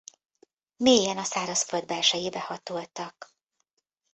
Mélyen a szárazföld belsejébe hatoltak.